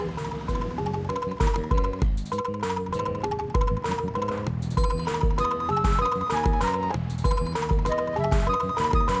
memang people remar